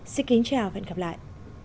xin kính chào và hẹn gặp lại